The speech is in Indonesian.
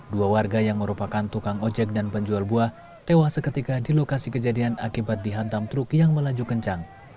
dua warga yang merupakan tukang ojek dan penjual buah tewas seketika di lokasi kejadian akibat dihantam truk yang melaju kencang